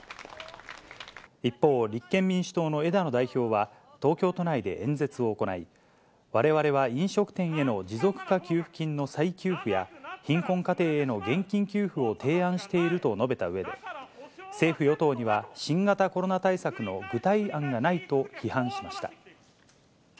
一方、立憲民主党の枝野代表は東京都内で演説を行い、われわれは飲食店への持続化給付金の再給付や、貧困家庭への現金給付を提案していると述べたうえで、政府・与党には、新型コロナ対策の具体案がないと批判しました。